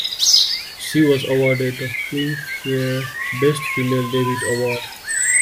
She was awarded the Filmfare Best Female Debut Award.